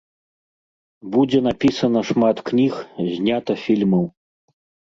Будзе напісана шмат кніг, знята фільмаў.